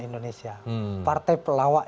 indonesia partai pelawak